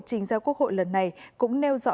trình giao quốc hội lần này cũng nêu rõ